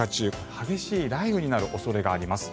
激しい雷雨になる恐れがあります。